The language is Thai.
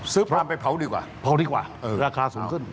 พรามไปเผาดีกว่าเผาดีกว่าราคาสูงขึ้น